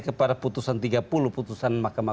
kepada putusan tiga puluh putusan mahkamah